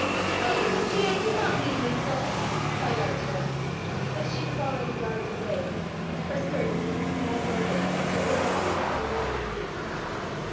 "Oh, Sophia, do not leave me so!" cried Arctura. But she was already yards away, her skirt making a small whirlwind that went after her through the withered leaves.